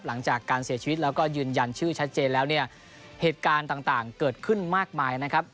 หลังจากการเสียชีวิตแล้วก็ยืนยันชื่อชัดเจนแล้วเนี่ยเหตุการณ์ต่างเกิดขึ้นมากมายนะครับ